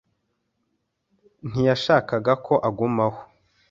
Ntiyashakaga ko agumaho.